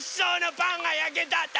パンがやけたんだ！